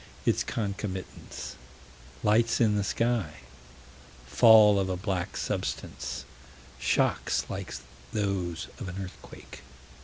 Its concomitants: Lights in the sky; Fall of a black substance; Shocks like those of an earthquake.